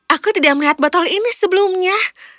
aku tidak melihat botol ini sebelumnya